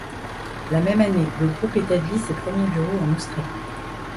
La même année, le groupe établit ses premiers bureaux en Australie.